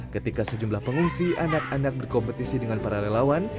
ketika sejumlah pengungsi anak anak berkompetisi dengan para relawan